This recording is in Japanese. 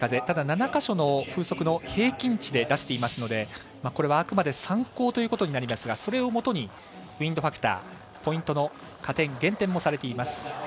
ただ、７箇所の風速の平均値で出していますのでこれはあくまでも参考ということになりますがそれをもとにウインドファクターポイントの加点減点もされています。